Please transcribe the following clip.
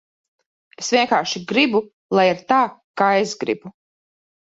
Es vienkārši gribu, lai ir tā, kā es gribu.